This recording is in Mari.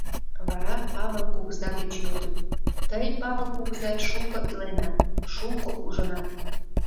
Вара Павыл кугыза деч йодыт: «Тый, Павыл кугызай, шуко иленат, шуко ужынат.